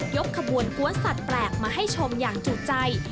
ขบวนกวนสัตว์แปลกมาให้ชมอย่างจุใจ